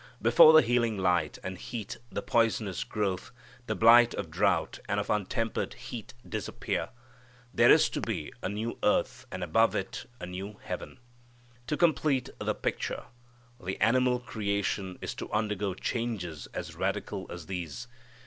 Before the healing light and heat the poisonous growth, the blight of drought and of untempered heat disappear. There is to be a new earth and above it a new heaven. To complete the picture, the animal creation is to undergo changes as radical as these.